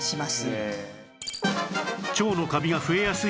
腸のカビが増えやすい